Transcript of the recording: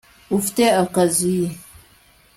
ufite akazi